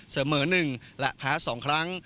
เสมอหนึ่งและแพ้๒ครั้ง